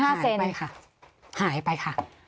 หายไปค่ะหายไปค่ะ